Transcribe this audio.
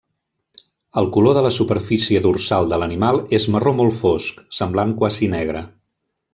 El color de la superfície dorsal de l'animal és marró molt fosc, semblant quasi negre.